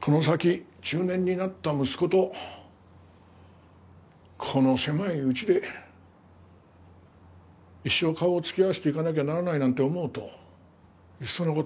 この先中年になった息子とこの狭い家で一生顔を突き合わせていかなきゃならないなんて思うといっその事